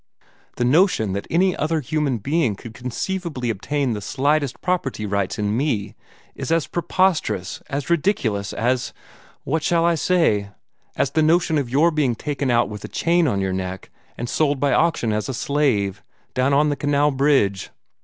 The notion that any other human being could conceivably obtain the slightest property rights in me is as preposterous, as ridiculous, as what shall I say? as the notion of your being taken out with a chain on your neck and sold by auction as a slave, down on the canal bridge.